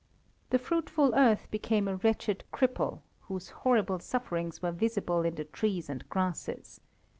The fruitful earth became a wretched cripple, whose horrible sufferings were visible in the trees and grasses.